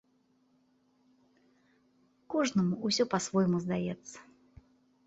Кожнаму ўсё па-свойму здаецца.